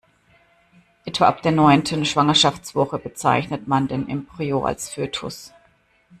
Etwa ab der neunten Schwangerschaftswoche bezeichnet man den Embryo als Fötus.